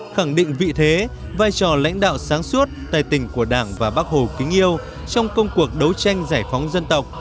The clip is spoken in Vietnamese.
khẳng định vị thế vai trò lãnh đạo sáng suốt tài tình của đảng và bác hồ kính yêu trong công cuộc đấu tranh giải phóng dân tộc